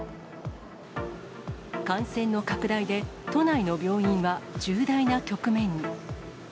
感染の拡大で、都内の病院は重大な局面に。